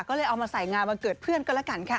ก็เลยเอามาใส่งานวันเกิดเพื่อนก็แล้วกันค่ะ